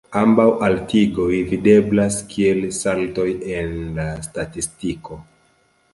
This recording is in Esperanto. Ambaŭ altigoj videblas kiel saltoj en la statistiko.